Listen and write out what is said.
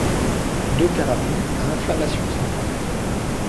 deux carabines à inflammation centrale.